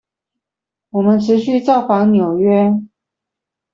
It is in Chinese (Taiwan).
我們持續造訪紐約